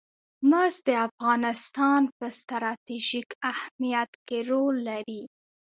مس د افغانستان په ستراتیژیک اهمیت کې رول لري.